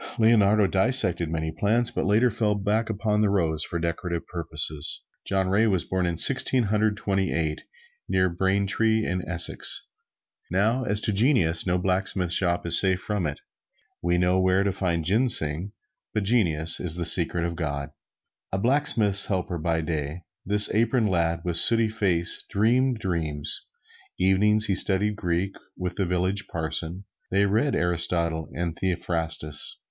Leonardo dissected many plants, but later fell back upon the rose for decorative purposes. John Ray was born in Sixteen Hundred Twenty eight near Braintree in Essex. Now, as to genius no blacksmith shop is safe from it. We know where to find ginseng, but genius is the secret of God. A blacksmith's helper by day, this aproned lad with sooty face dreamed dreams. Evenings he studied Greek with the village parson. They read Aristotle and Theophrastus.